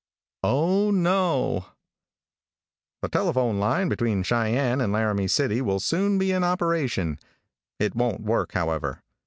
OH, NO! |THE telephone line between Cheyenne and Laramie City will soon be in operation. It won't work, however.